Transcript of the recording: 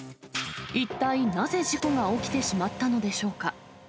一体なぜ、事故が起きてしまったのでしょうか。